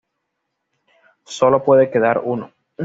Sólo puede quedar uno